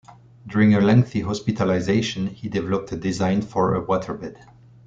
During a lengthy hospitalization, he developed a design for a waterbed.